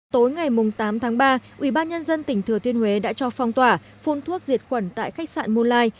tối ngày tám tháng ba ubnd tỉnh thừa thiên huế đã cho phong tỏa phun thuốc diệt khuẩn tại khách sạn moonlight